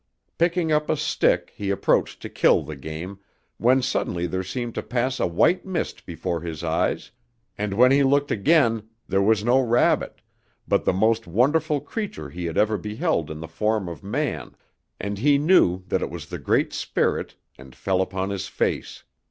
Picking up a stick he approached to kill the game, when suddenly there seemed to pass a white mist before his eyes, and when he looked again there was no rabbit, but the most wonderful creature he had ever beheld in the form of man, and he knew that it was the Great Spirit, and fell upon his face.